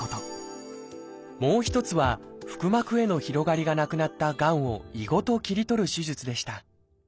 もう一つは腹膜への広がりがなくなったがんを胃ごと切り取る手術でした。